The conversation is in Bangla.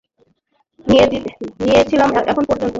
নিয়ে ছিলাম, এখন পর্যন্ত।